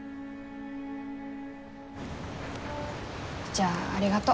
じゃあありがと。